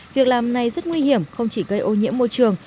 việc làm này rất nguy hiểm không chỉ gây ô nhiễm môi trường